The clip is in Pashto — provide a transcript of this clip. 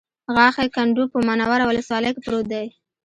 غاښی کنډو په منوره ولسوالۍ کې پروت دی